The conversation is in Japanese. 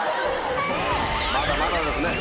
まだまだですね。